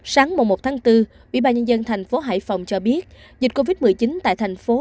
sáng một một tháng bốn ubnd thành phố hải phòng cho biết dịch covid một mươi chín tại thành phố